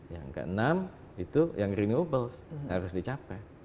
yang ke enam itu yang renewables harus dicapai